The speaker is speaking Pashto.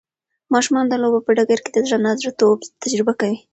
ماشومان د لوبو په ډګر کې د زړه نا زړه توب تجربه کوي.